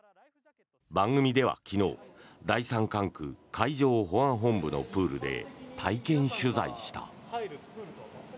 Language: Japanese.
番組では昨日第三管区海上保安本部のプールで体験取材した。